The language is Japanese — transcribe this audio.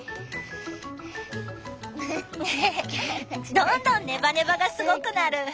どんどんネバネバがすごくなる。